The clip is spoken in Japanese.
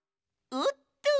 おっとー！